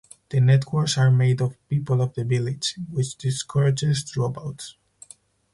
The networks are made of "people of the village" which discourages dropouts.